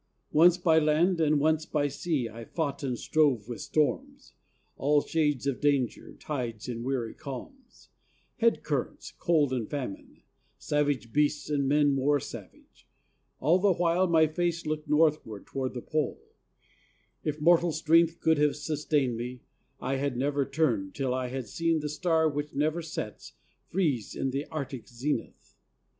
Once by land, And once by sea, I fought and strove with storms, All shades of danger, tides, and weary calms; Head currents, cold and famine, savage beasts, And men more savage; all the while my face Looked northward toward the pole; if mortal strength Could have sustained me, I had never turned Till I had seen the star which never sets Freeze in the Arctic zenith.